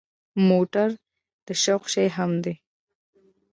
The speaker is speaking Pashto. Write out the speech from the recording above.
موټر د شوق شی هم دی.